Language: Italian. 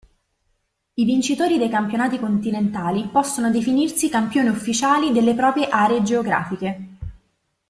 I vincitori dei campionati continentali possono definirsi campioni ufficiali delle proprie aree geografiche.